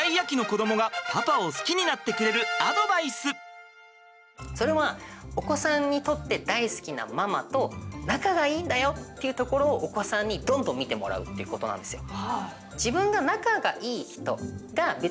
ここでそれはお子さんにとって大好きなママと仲がいいんだよっていうところをお子さんにどんどん見てもらうってことなんですよ。